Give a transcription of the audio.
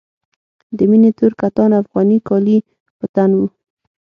د مينې تور کتان افغاني کالي په تن وو.